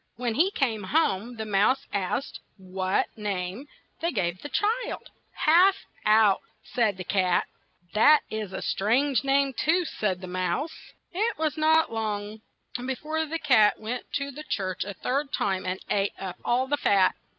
When he came home, the mouse asked what name they gave this child. "Half out," s 'd the cat. "That is a stituige name too," said the mouse. It was not long be fore the cat went to the church a third time, and ate up all the fat.